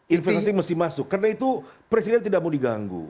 investasi mesti masuk karena itu presiden tidak mau diganggu